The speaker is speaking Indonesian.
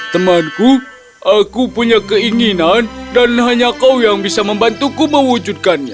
temanku aku punya keinginan dan hanya kau yang bisa membantuku mewujudkannya